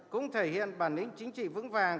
cũng thể hiện bản lĩnh chính trị vững vàng